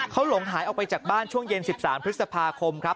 เขาหลงหายออกไปจากบ้านช่วงเย็น๑๓พฤษภาคมครับ